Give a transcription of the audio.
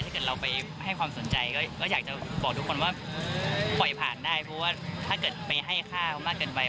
เพราะว่าถ้าเกิดไปให้ค่ามากเกินไป